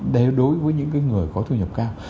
đối với những người có thu nhập cao